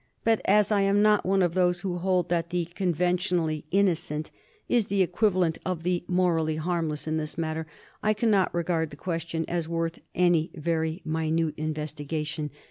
... But as I am not one of those who* hold that the conventionally 'innocent' is the equivalent of the morally harmless in this matter, I cannot regard the question as worth any very minute investigation.